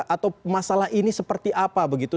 atau masalah ini seperti apa begitu